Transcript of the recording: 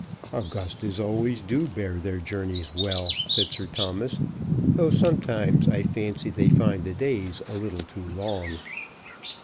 "Augustas always do bear their journeys well," said Sir Thomas; "though sometimes, I fancy, they find the days a little too long."